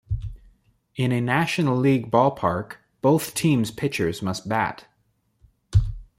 In a National League ballpark, both teams' pitchers must bat.